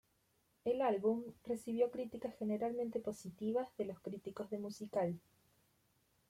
El álbum recibió críticas generalmente positivas de los críticos de musical.